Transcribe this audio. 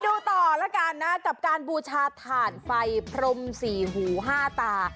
ดูต่อแล้วกันนะกับการบูชาถ่านไฟพรมสี่หูห้าตา